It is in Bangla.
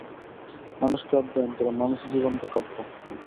মানুষকে অধ্যয়ন কর, মানুষই জীবন্ত কাব্য।